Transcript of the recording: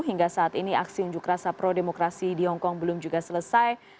hingga saat ini aksi unjuk rasa pro demokrasi di hongkong belum juga selesai